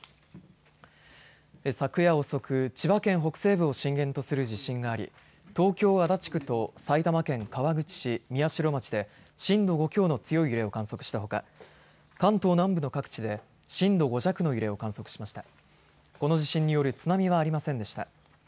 昨夜遅く千葉県北西部を震源とする地震があり東京、足立区と埼玉県川口市宮代町で震度５強の強い揺れを観測したほか関東南部の各地で震度５弱の揺れを観測しました。